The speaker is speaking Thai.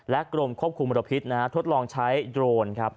และกรมควบคุมมัตตาพิษทดลองใช้โดรน